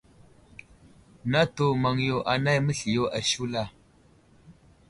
Natu maŋ yo anay məsliyo ashula.